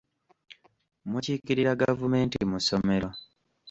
Mukiikirira gavumenti mu masomero.